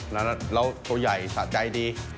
นะแบบตัวใหญ่สะใจดี